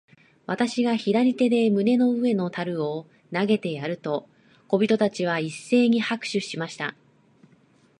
私が左手で胸の上の樽を投げてやると、小人たちは一せいに拍手しました。